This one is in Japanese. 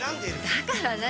だから何？